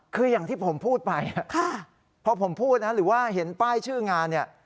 คืออย่างที่ผมพูดไปพอผมพูดนะหรือว่าเห็นป้ายชื่องานเนี่ย